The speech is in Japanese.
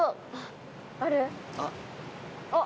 あっ！